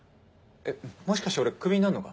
えっもしかして俺クビになんのか？